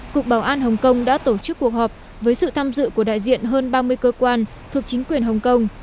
cục bảo an hồng kông đã tổ chức cuộc họp với sự tham dự của đại diện hơn ba mươi cơ quan thuộc chính quyền hồng kông